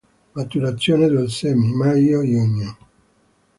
Maturazione dei semi: maggio-giugno.